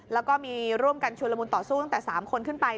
แล้วก็มีร่วมกันชุมรมุมต่อสู้กลับจากสามคนขึ้นไป